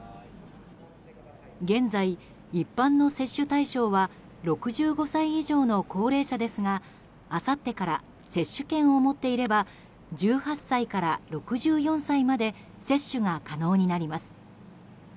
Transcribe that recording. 現在、一般の接種対象は６５歳以上の高齢者ですがあさってから接種券を持っていれば１８歳から６４歳まで接種が可能になります。